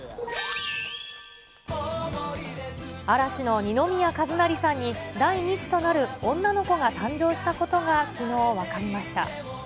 嵐の二宮和也さんに、第２子となる女の子が誕生したことがきのう分かりました。